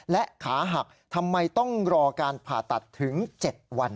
และขาหักทำไมต้องรอการผ่าตัดถึง๗วัน